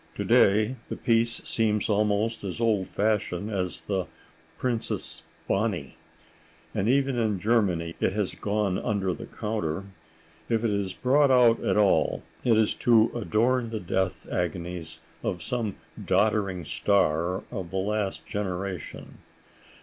To day the piece seems almost as old fashioned as "The Princess Bonnie," and even in Germany it has gone under the counter. If it is brought out at all, it is to adorn the death agonies of some doddering star of the last generation.